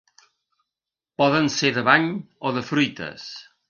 Poden ser de bany o de fruites.